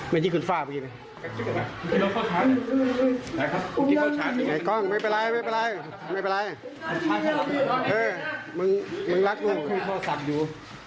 มึงรักดู